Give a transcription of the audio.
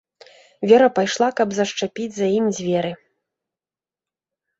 Вера пайшла, каб зашчапіць за імі дзверы.